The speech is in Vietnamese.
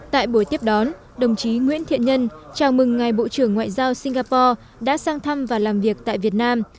tại buổi tiếp đón đồng chí nguyễn thiện nhân chào mừng ngài bộ trưởng ngoại giao singapore đã sang thăm và làm việc tại việt nam